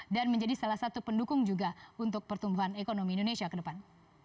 dan menjadi salah satu pendukung juga untuk pertumbuhan ekonomi indonesia ke depan